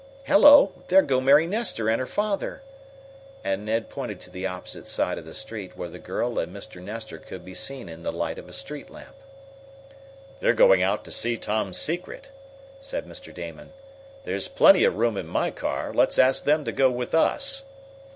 Hello, there go Mary Nestor and her father!" and Ned pointed to the opposite side of the street where the girl and Mr. Nestor could be seen in the light of a street lamp. "They're going out to see Tom's secret," said Mr. Damon. "There's plenty of room in my car. Let's ask them to go with us."